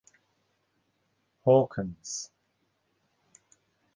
Hawkins.